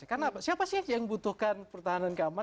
karena siapa sih yang butuhkan pertahanan keamanan